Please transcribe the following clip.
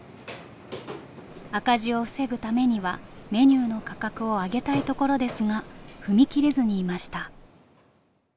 赤字を防ぐためにはメニューの価格を上げたいところですが踏み切れずにいました。